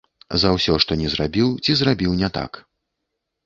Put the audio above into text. За ўсё, што не зрабіў ці зрабіў не так.